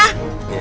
aku mau ngajak